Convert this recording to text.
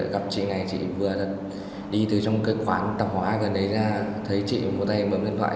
gặp chị này chị vừa đi từ trong cái quán tạp hóa gần đấy ra thấy chị một tay mở điện thoại